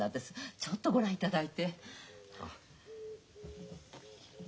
ちょっとご覧いただいて。